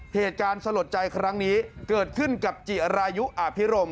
เหตุการณ์สลดใจครั้งนี้เกิดขึ้นกับจิรายุอภิรม